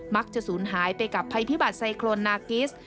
สูญหายไปกับภัยพิบัตรไซโครนนากิส